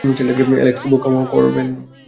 Alex, বোকামো করবেন না।